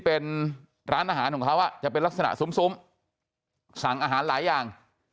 เป็นร้านอาหารของเขาจะเป็นลักษณะซุ้มสั่งอาหารหลายอย่าง